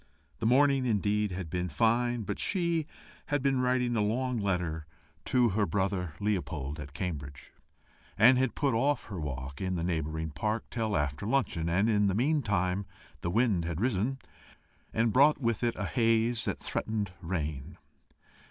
The morning, indeed, had been fine, but she had been writing a long letter to her brother Leopold at Cambridge, and had put off her walk in the neighbouring park till after luncheon, and in the meantime the wind had risen, and brought with it a haze that threatened rain.